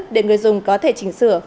để người dùng có thể chỉnh sửa